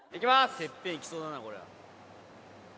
てっぺんいきそうだなこりゃ。